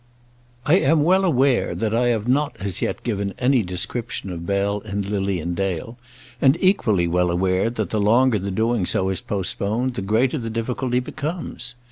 I am well aware that I have not as yet given any description of Bell and Lilian Dale, and equally well aware that the longer the doing so is postponed the greater the difficulty becomes.